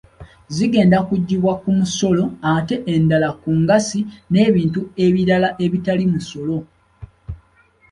Zigenda kuggibwa ku musolo ate endala ku ngassi n’ebintu ebirala ebitali musolo.